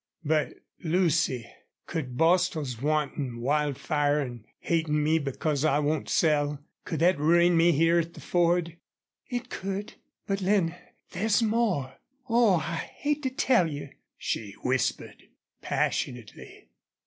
"But, Lucy, could Bostil's wantin' Wildfire an' hatin' me because I won't sell could that ruin me here at the Ford?" "It could. But, Lin, there's more. Oh, I hate to tell you!" she whispered, passionately.